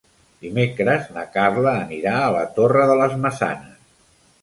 Dimecres na Carla anirà a la Torre de les Maçanes.